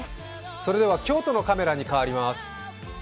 それでは京都のカメラに変わります。